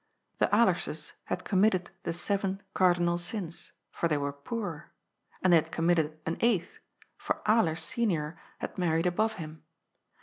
The Alerses had committed the seven cardinal sins, for they were poor, and they had committed an eighth, for Alers senior had married above him.